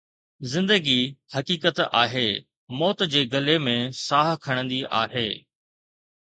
زندگي، حقيقت آهي، موت جي گلي ۾ ساهه کڻندي آهي.